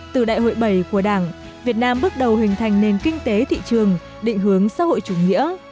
từ đại hội bảy của đảng việt nam bước đầu hình thành nền kinh tế thị trường định hướng xã hội chủ nghĩa